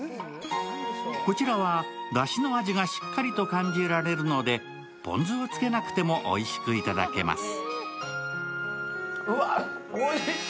こちらは、だしの味がしっかりと感じられるのでポン酢をつけなくてもおいしくいただけます。